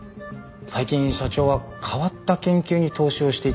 最近社長は変わった研究に投資をしていたようです。